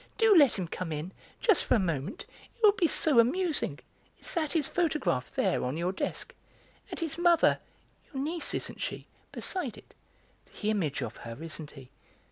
Do let him come in; just for a moment; it will be so amusing. Is that his photograph there, on your desk? And his mother (your niece, isn't she?) beside it? The image of her, isn't he?